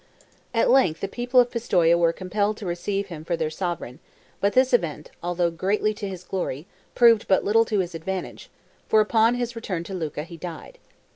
At length the people of Pistoia were compelled to receive him for their sovereign; but this event, although greatly to his glory, proved but little to his advantage, for upon his return to Lucca he died.